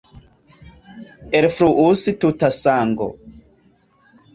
Elfluus tuta sango.